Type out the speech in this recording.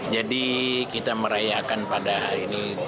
jadi kita merayakan pada hari ini